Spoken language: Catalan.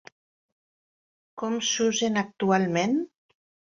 Com s'usen actualment?